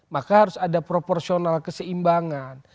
maka harus ada proporsional keseimbangan